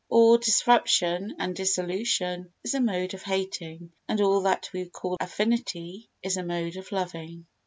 All disruption and dissolution is a mode of hating; and all that we call affinity is a mode of loving.